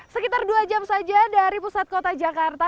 sekitar dua jam saja dari pusat kota jakarta